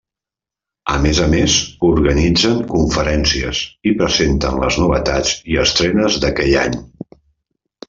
A més a més, organitzen conferències i presenten les novetats i estrenes d'aquell any.